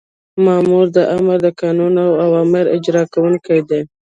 مامور د آمر د قانوني اوامرو اجرا کوونکی دی.